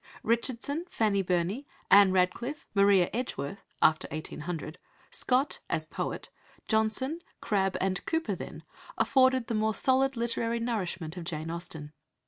Richardson, Fanny Burney, Ann Radcliffe, Maria Edgeworth (after 1800), Scott (as poet), Johnson, Crabbe, and Cowper, then, afforded the more solid literary nourishment of Jane Austen.